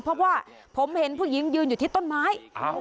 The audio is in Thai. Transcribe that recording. เพราะว่าผมเห็นผู้หญิงยืนอยู่ที่ต้นไม้